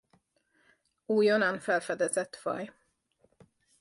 Újonnan felfedezett faj.